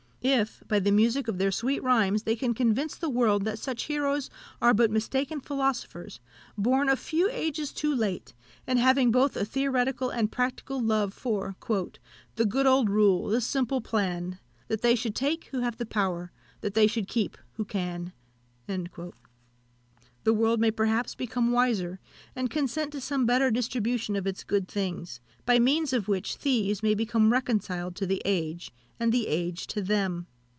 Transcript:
If, by the music of their sweet rhymes, they can convince the world that such heroes are but mistaken philosophers, born a few ages too late, and having both a theoretical and practical love for "The good old rule, the simple plan, That they should take who have the power, That they should keep who can;" the world may perhaps become wiser, and consent to some better distribution of its good things, by means of which thieves may become reconciled to the age, and the age to them.